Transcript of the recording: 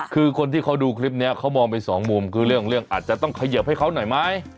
คือคนที่เขาดูคลิปนี้เขามองไปสองมุมคือเรื่องอาจจะต้องเขยิบให้เขาหน่อยไหม